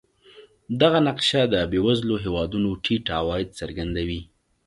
دغه نقشه د بېوزلو هېوادونو ټیټ عواید څرګندوي.